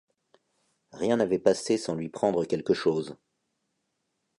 Rien n’avait passé sans lui prendre quelque chose.